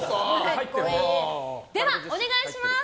では、お願いします。